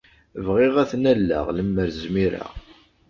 Bɣiɣ ad ten-alleɣ, lemmer zmireɣ.